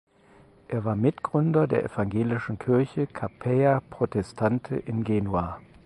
Er war Mitgründer der evangelischen Kirche "capella protestante" in Genua.